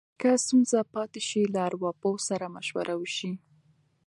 که ستونزه پاتې شي، له ارواپوه سره مشوره وشي.